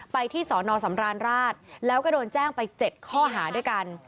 ไปที่สอนอสำราญราชแล้วก็โดนแจ้งไป๗ข้อหาด้วยกัน